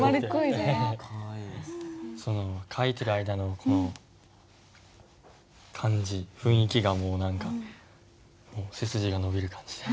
書いてる間のこの感じ雰囲気がもう何か背筋が伸びる感じで。